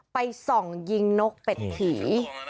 ไปส่องยิงนกเป็ดผี